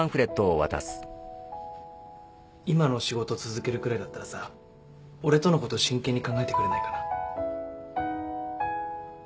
今の仕事続けるくらいだったらさ俺とのこと真剣に考えてくれないかな。